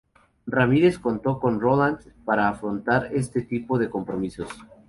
Ramírez contó con Ronald para afrontar este tipo de compromisos.